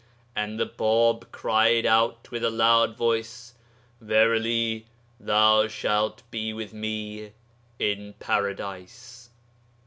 [And the Bab cried out with a loud voice, "Verily thou shalt be with me in Paradise."